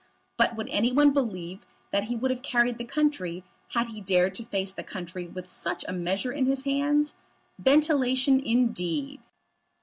But would any one believe that he would have carried the country, had he dared to face the country with such a measure in his hands? Ventilation, indeed!